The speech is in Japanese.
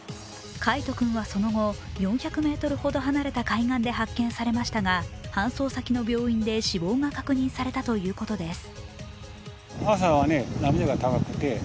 櫂斗君はその後、４００ｍほど離れた海岸で発見されましたが搬送先の病院で死亡が確認されたということです。